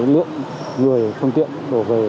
lượng người thương tiện đổ về